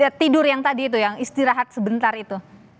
ada tidur yang tadi itu yang istirahat sebentar itu